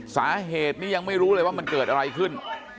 สาเหตุนี้ยังไม่รู้เลยว่ามันเกิดอะไรขึ้น